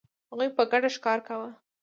هغوی په ګډه ښکار کاوه.